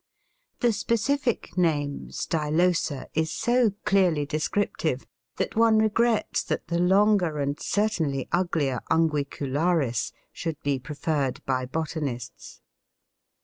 The specific name, stylosa, is so clearly descriptive, that one regrets that the longer, and certainly uglier, unguicularis should be preferred by botanists.